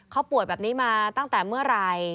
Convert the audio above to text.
เขาป่วยแบบนี้มาตั้งแต่เมื่อไหร่